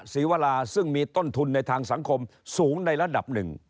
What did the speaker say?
ศรีวราซึ่งมีต้นทุนในทางสังคมสูงในระดับหนึ่ง